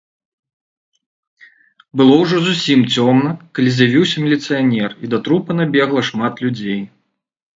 Было ўжо зусім цёмна, калі з'явіўся міліцыянер, і да трупа набегла шмат людзей.